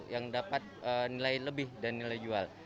yang dapat nilai lebih dan nilai jual